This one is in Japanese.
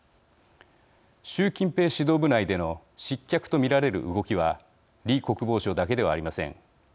習近平指導部内での失脚と見られる動きは李国防相だけではありません。